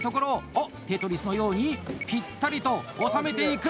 おっ、テトリスのようにピッタリとおさめていく！